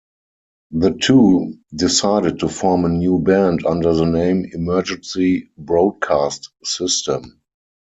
The two decided to form a new band under the name Emergency Broadcast System.